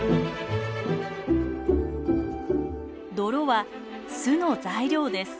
泥は巣の材料です。